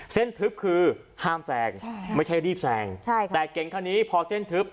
เส้นทึพคือห้ามแซงไม่ใช่รีบแซงแต่เก่งค่อนี้พอเส้นทึพ